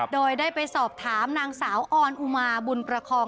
โดยได้ไปสอบถามนางสาวออนอุมาบุญประคอง